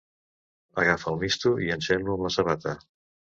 Agafa el misto i encén-lo amb la sabata.